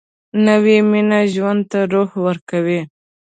نوې مینه ژوند ته روح ورکوي